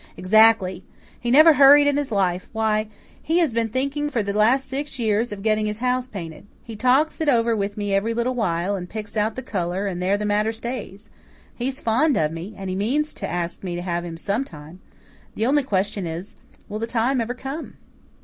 "Exactly. He never hurried in his life. Why, he has been thinking for the last six years of getting his house painted. He talks it over with me every little while, and picks out the colour, and there the matter stays. He's fond of me, and he means to ask me to have him sometime. The only question is will the time ever come?"